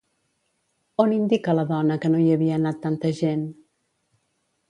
On indica la dona que no hi havia anat tanta gent?